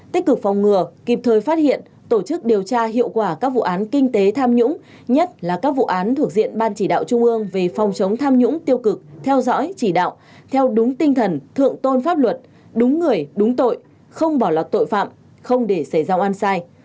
tích cực phòng ngừa kịp thời phát hiện tổ chức điều tra hiệu quả các vụ án kinh tế tham nhũng nhất là các vụ án thuộc diện ban chỉ đạo trung ương về phòng chống tham nhũng tiêu cực theo dõi chỉ đạo theo đúng tinh thần thượng tôn pháp luật đúng người đúng tội không bỏ lọt tội phạm không để xảy ra oan sai